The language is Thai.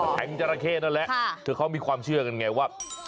งจราเข้นั่นแหละคือเขามีความเชื่อกันไงว่า